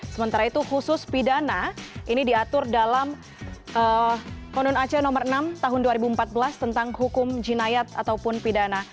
sementara itu khusus pidana ini diatur dalam konun aceh nomor enam tahun dua ribu empat belas tentang hukum jinayat ataupun pidana